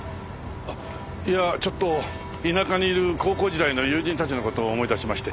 あっいやちょっと田舎にいる高校時代の友人たちの事を思い出しまして。